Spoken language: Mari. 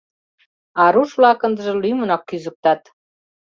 А руш-влак ындыже лӱмынак кӱзыктат.